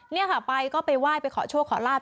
นี่ค่ะไปก็ไปไหว้ไปขอโชคขอลาบ